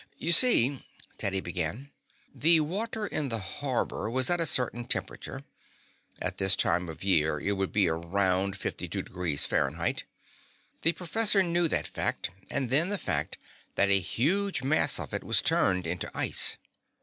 "You see," Teddy began, "the water in the harbor was at a certain temperature. At this time of the year it would be around 52° Fahrenheit. The professor knew that fact, and then the fact that a huge mass of it was turned into ice.